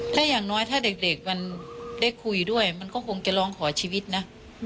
ถ้าอย่างน้อยถ้าเด็กมันได้คุยด้วยมันก็คงจะร้องขอชีวิตนะ